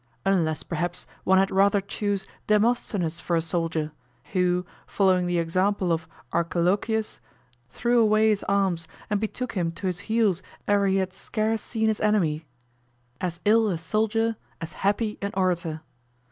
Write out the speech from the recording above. Unless perhaps one had rather choose Demosthenes for a soldier, who, following the example of Archilochius, threw away his arms and betook him to his heels e'er he had scarce seen his enemy; as ill a soldier, as happy an orator.